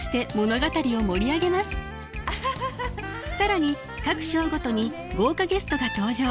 更に各章ごとに豪華ゲストが登場。